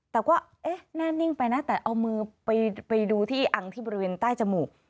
แต่ว่าแน่นิ่งไปนะเอามือไปดูอังที่บริเวณใต้จมูก